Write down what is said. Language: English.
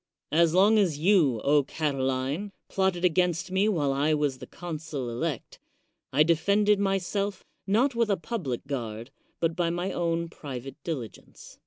As long as you, Catiline, plotted against me while I was the consul elect, I defended my self, not with a public guard, but by my own pri vate diligence.